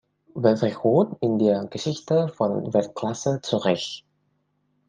Weltrekord in der Geschichte von Weltklasse Zürich.